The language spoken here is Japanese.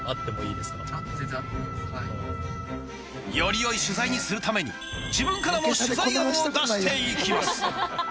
より良い取材にするために自分からも取材案を出していきます